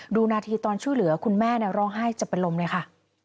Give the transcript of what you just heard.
ดูนาทีตอนช่วยเหลือคุณแม่ร้องไห้จะเป็นลมเลยค่ะ